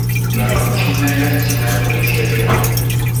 La consigna era asesinar un policía al día.